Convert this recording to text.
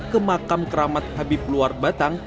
ke makam keramat habib luar batang